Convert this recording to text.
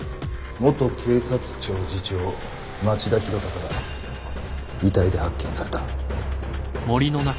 元警察庁次長町田博隆が遺体で発見された。